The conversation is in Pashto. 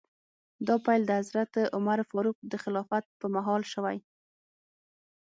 دا پیل د حضرت عمر فاروق د خلافت په مهال شوی.